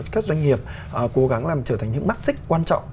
các doanh nghiệp cố gắng làm trở thành những mắt xích quan trọng